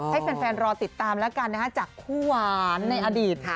ให้แฟนรอติดตามแล้วกันนะฮะจากคู่หวานในอดีตค่ะ